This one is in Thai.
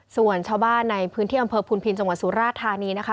ส่วนชาวบ้านในพื้นที่อำเภอพุนพินจังหวัดสุราชธานีนะคะ